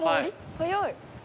早い。